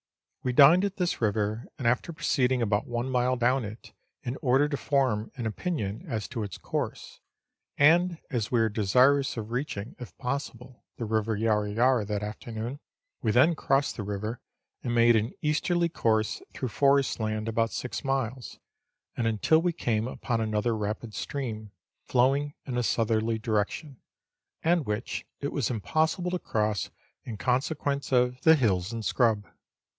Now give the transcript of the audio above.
We dined at this river, and after proceeded about one mile down it in order to form an opinion as to its course, and as we were desirous of reaching, if possible, the River Yarra Yarra that afternoon, we then crossed the river and made an easterly course through forest land about six miles, and until we came upon another rapid stream, flowing in a southerly direction, and which it was impossible to cross in consequence of 298 Letters from Victorian Pioneers. the hills and scrub.